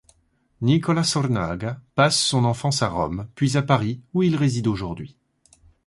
Nicola Sornaga passe son enfance à Rome puis à Paris où il réside aujourd'hui.